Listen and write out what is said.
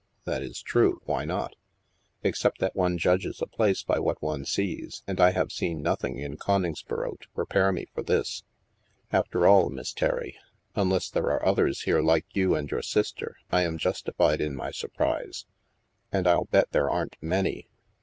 " That is true ; why not ? Except that one judges a place by what one sees, and I have seen nothing in Coningsboro to prepare me for this. After all, Miss Terry, unless there are others here like you and your sister, I am justified in my surprise. And I'll bet there aren't many."